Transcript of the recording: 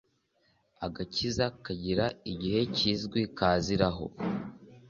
Agakiza kagira igihe kizwi kaziraho